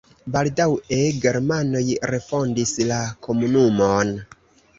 Baldaŭe germanoj refondis la komunumon.